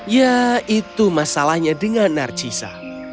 ya itu masalahnya dengan narcisa